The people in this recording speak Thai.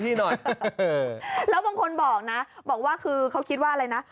พี่หน่อยแล้วบางคนบอกน่ะบอกว่าคือเขาคิดว่าอะไรน่ะ